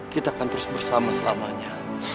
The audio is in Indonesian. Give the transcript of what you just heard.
kita akan terus bersama selamanya